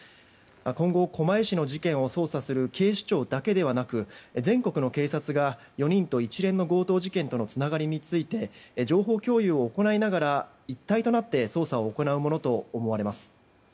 今後、狛江市の事件を捜査する警視庁だけではなく全国の警察が４人と一連の強盗事件とのつながりについて情報共有を行いながら一体となって捜査を行うものと思われます。